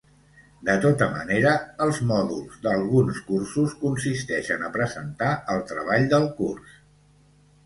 De tota manera, els mòduls d'alguns cursos consisteixen a presentar el treball del curs.